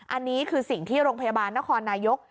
อันนี้คือสิ่งที่โรงพยาบาลนครนายก